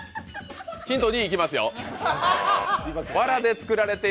ヒント２いきますよ。